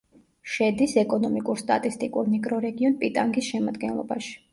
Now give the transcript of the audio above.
შედის ეკონომიკურ-სტატისტიკურ მიკრორეგიონ პიტანგის შემადგენლობაში.